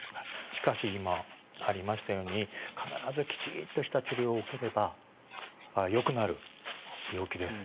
しかし、今ありましたように必ずきちんとした治療を受ければよくなる病気です。